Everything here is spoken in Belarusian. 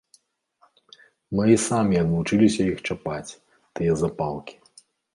Мы і самі адвучыліся іх чапаць, тыя запалкі.